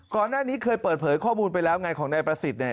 ก่อนหน้านี้เคยเปิดเผยข้อมูลไปแล้วไงของนายประสิทธิ์เนี่ย